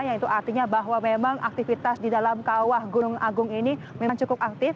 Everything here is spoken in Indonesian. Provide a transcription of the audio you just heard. yang itu artinya bahwa memang aktivitas di dalam kawah gunung agung ini memang cukup aktif